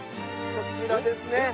こちらですね。